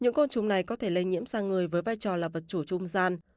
những côn trùng này có thể lây nhiễm sang người với vai trò là vật chủ trung gian